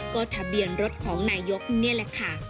ก็ทะเบียนรถของนายกนี่แหละค่ะ